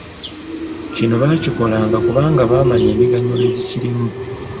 Kino baakikolanga kubanga baamanya emiganyulo egikirimu.